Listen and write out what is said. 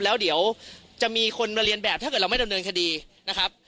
แล้วเดี๋ยวจะมีคนมาเรียนแบบถ้าเกิดเราไม่ดำเนินคดีนะครับ